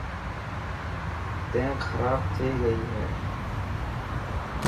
تي کراب ٿي گئي هي.